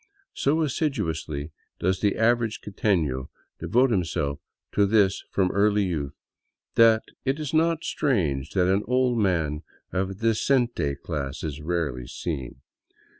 So assiduously does the average quiteno devote himself to this from early youth that it is not strange that an old man of the decente class is rarely seen.